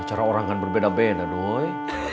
cara orang kan berbeda beda doy